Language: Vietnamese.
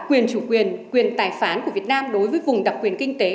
quyền chủ quyền quyền tài phán của việt nam đối với vùng đặc quyền kinh tế